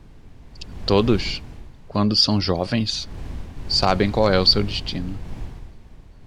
Todos? quando são jovens? sabem qual é o seu destino.